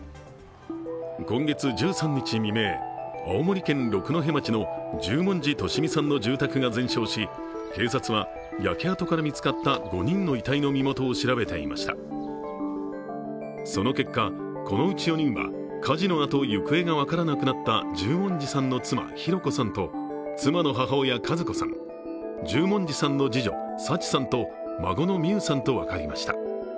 今月１３日未明、青森県六戸町の十文字利美さんの住宅が全焼し、警察は焼け跡から見つかった５人の遺体の身元を調べていましたその結果、このうち４人は火事のあと行方が分からなくなった十文字さんの妻・弘子さんと妻の母親・和子さん、十文字さんの次女・抄知さんと孫の弥羽さんと分かりました。